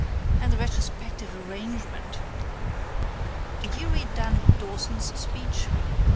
And the retrospective arrangement. —Did you read Dan Dawson's speech?